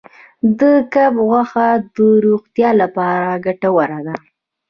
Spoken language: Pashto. د کب غوښه د روغتیا لپاره ګټوره ده.